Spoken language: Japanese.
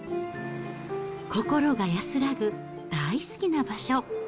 心が安らぐ大好きな場所。